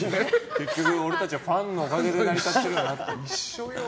結局俺たちはファンのおかげで成り立ってるんだなって。